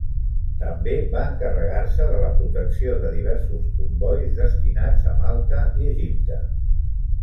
També va encarregar-se de la protecció de diversos combois destinats a Malta i Egipte.